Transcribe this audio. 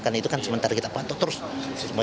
ketua binge fanatis triratore mengatakan